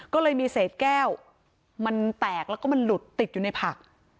ก็เลยมีเศษแก้วมันแตกแล้วก็มันหลุดติดอยู่ในผัก